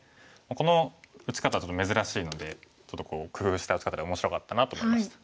この打ち方はちょっと珍しいのでちょっと工夫した打ち方で面白かったなと思いました。